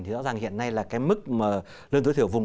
thì rõ ràng hiện nay là cái mức lương tối thiểu vùng